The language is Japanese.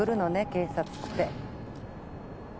警察って。